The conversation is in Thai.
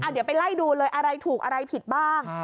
เดี๋ยวไปไล่ดูเลยอะไรถูกอะไรผิดบ้าง